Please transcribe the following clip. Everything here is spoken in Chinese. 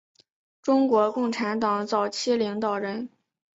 中国共产党早期领导人。